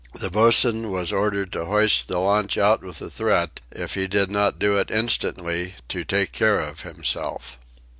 The boatswain was ordered to hoist the launch out with a threat if he did not do it instantly TO TAKE CARE OF HIMSELF.